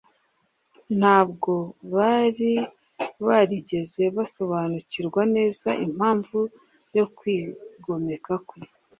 Ntabwo bari barigeze basobanukirwa neza impamvu yo kwigomeka kwe.